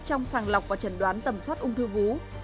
trong sàng lọc và trần đoán tầm soát ung thư vú